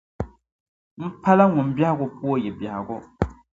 M pala ŋun biɛhigu pooi yi biɛhigu.